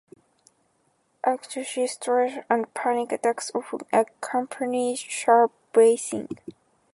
Anxiety, stress, and panic attacks often accompany shallow breathing.